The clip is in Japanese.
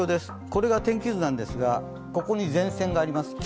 これが天気図なんですが、ここに前線があります。